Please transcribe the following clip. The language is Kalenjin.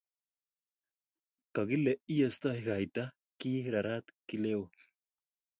Kakile iyestoi kaita ki rarat kilewo.